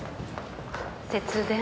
節電？